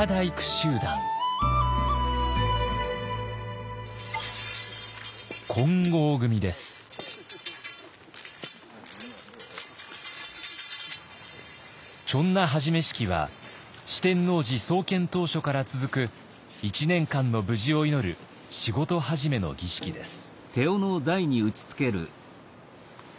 手斧始め式は四天王寺創建当初から続く１年間の無事を祈る仕事始めの儀式です。